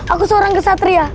aku seorang gesatria